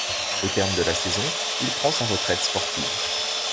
Au terme de la saison, il prend sa retraite sportive.